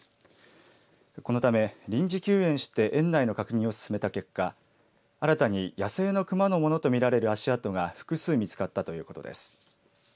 このため臨時休園して園内の確認を進めた結果新たに野生の熊のものと見られる足跡が複数見つかったということです。